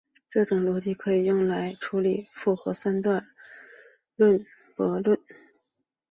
这种逻辑可以用来处理复合三段论悖论。